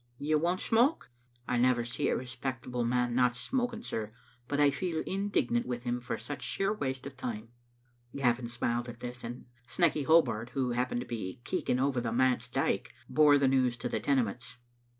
You won'f smoke? I never see a respectable man not smoking, sir, but I feel indignant with him for such sheer waste of time." Gavin smiled at this, and Snecky Hobart, who hap pened to be keeking over the manse dyke, bore the news to the Tenements.